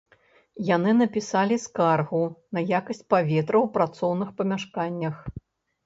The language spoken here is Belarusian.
Яны напісалі скаргу на якасць паветра ў працоўных памяшканнях.